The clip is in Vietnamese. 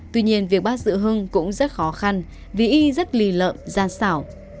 tuy nhiên việc bắt giữ hưng cũng rất khó khăn vì y rất lì lợm gian xảo